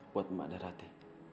buat mbak darate